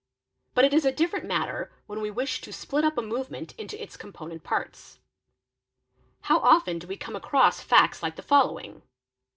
But it is a different matter when we wish to split up a movement into its component parts. How often do we come across" | facts like the following.